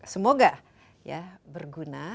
semoga ya berguna